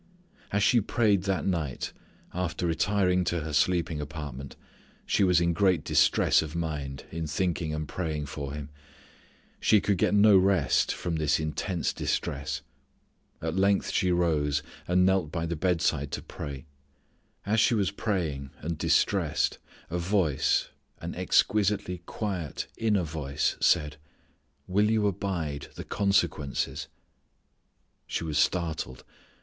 As she prayed that night after retiring to her sleeping apartment she was in great distress of mind in thinking and praying for him. She could get no rest from this intense distress. At length she rose, and knelt by the bedside to pray. As she was praying and distressed a voice, an exquisitely quiet inner voice said, "will you abide the consequences?" She was startled.